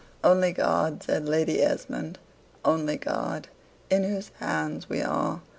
Only God," said Lady Esmond "only God, in whose hands we are."